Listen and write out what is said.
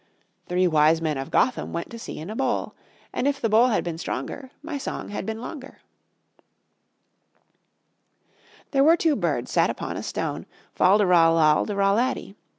Three wise men of Gotham Went to sea in a bowl, And if the bowl had been stronger My song had been longer. There were two birds sat upon a stone, Fal de ral al de ral laddy.